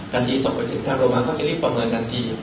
อันนี้ส่งไปถึงทางโรงพยาบาลเขาจะรีบประเมินทันที